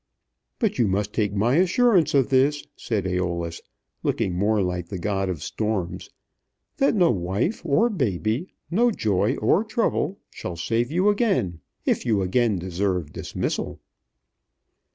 "But you must take my assurance of this," said Æolus, looking more like the god of storms, "that no wife or baby, no joy or trouble, shall save you again if you again deserve dismissal."